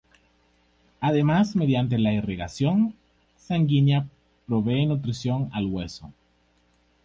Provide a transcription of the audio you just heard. Además mediante la irrigación sanguínea provee nutrición al hueso.